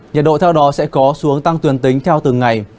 nhiệt độ theo đó sẽ có xu hướng tăng tuyển tính theo từng ngày